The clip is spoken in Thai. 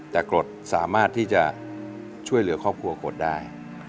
แต่กรดสามารถที่จะช่วยเหลือครอบครัวกรดได้